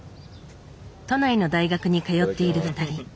都内の大学に通っている２人。